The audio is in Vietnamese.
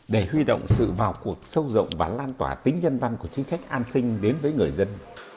để huy động sự vào cuộc sâu rộng và lan tỏa tính nhân văn của chính sách an sinh đến với người dân